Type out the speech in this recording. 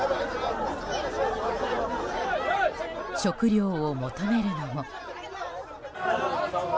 食料を求めるのも。